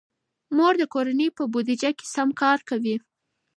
مور د کورنۍ په بودیجه سم کار کوي.